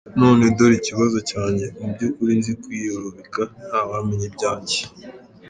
None dore ikibazo cyanjye: mu by’ukuri nzi kwiyorobeka ntawamenya ibyange.